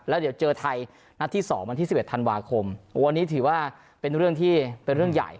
แล้วเดี๋ยวเจอไทยนัดที่๒วันที่๑๑ธันวาคมวันนี้ถือว่าเป็นเรื่องที่เป็นเรื่องใหญ่